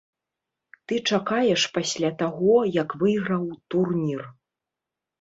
Ты чакаеш пасля таго, як выйграў турнір.